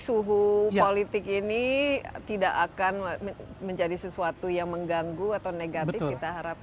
suhu politik ini tidak akan menjadi sesuatu yang mengganggu atau negatif kita harapkan